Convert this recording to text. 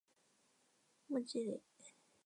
莫济里。